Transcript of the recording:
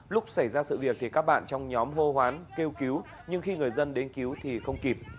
lúc xảy ra sự việc thì các bạn trong nhóm hô hoán kêu cứu nhưng khi người dân đến cứu thì không kịp